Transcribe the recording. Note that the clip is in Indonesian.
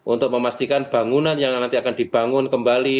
untuk memastikan bangunan yang nanti akan dibangun kembali